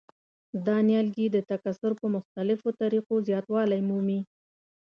دا نیالګي د تکثیر په مختلفو طریقو زیاتوالی مومي.